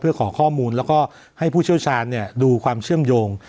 เพื่อขอข้อมูลแล้วก็ให้ผู้เชี่ยวชาญดูความเชื่อมโยง